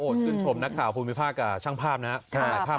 ชื่นชมนักข่าวภูมิภาคกับช่างภาพนะครับ